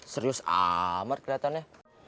serius amat keliatannya